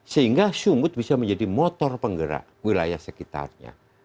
sehingga sumut bisa menjadi motor penggerak wilayah sekitarnya